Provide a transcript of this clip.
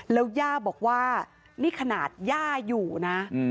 แล้วย่าบอกว่านี่ขนาดย่าอยู่นะ